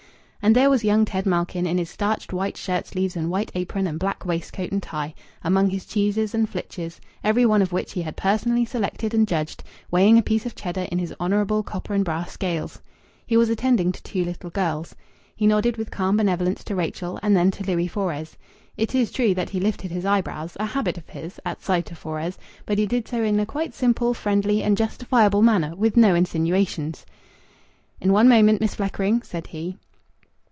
And there was young Ted Malkin in his starched white shirt sleeves and white apron and black waistcoat and tie, among his cheeses and flitches, every one of which he had personally selected and judged, weighing a piece of cheddar in his honourable copper and brass scales. He was attending to two little girls. He nodded with calm benevolence to Rachel and then to Louis Fores. It is true that he lifted his eyebrows a habit of his at sight of Fores, but he did so in a quite simple, friendly, and justifiable manner, with no insinuations. "In one moment, Miss Fleckring," said he.